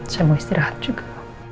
saya mau istirahat juga